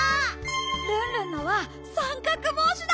ルンルンのはさんかくぼうしだ！